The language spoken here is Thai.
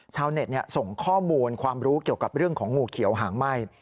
ชาวเน็ตส่งข้อมูลความรู้เกี่ยวกับเรื่องของงูเขียวหางไหม้